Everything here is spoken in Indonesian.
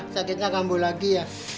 sakitnya ngambul lagi ya